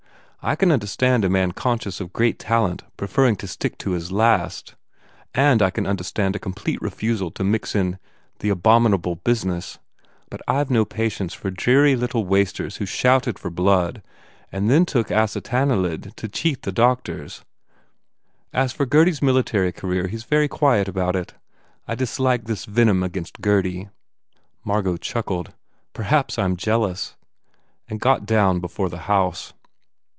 I can understand a man conscious of great talent preferring to stick to his last. And I can understand a complete refusal to mix in the abominable business. But I ve no patience with dreary little wasters who shouted for blood and then took acetanilid to cheat the doctors. As for Gurdy s military career he s very quiet about it. I dislike this venom against Gurdy." Margot chuckled, "Perhaps I m jealous," and got down before the house.